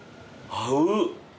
合う。